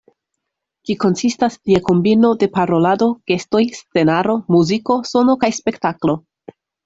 Ĝi konsistas je kombino de parolado, gestoj, scenaro, muziko, sono kaj spektaklo.